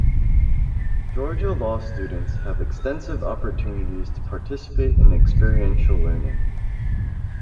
Georgia Law students have extensive opportunities to participate in experiential learning.